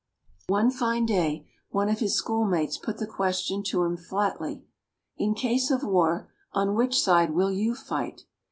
One fine day, one of his schoolmates put the question to him flatly: "In case of war, on which side will you fight?"